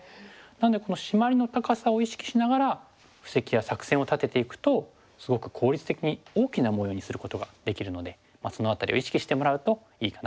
なのでこのシマリの高さを意識しながら布石や作戦を立てていくとすごく効率的に大きな模様にすることができるのでその辺りを意識してもらうといいかなと思います。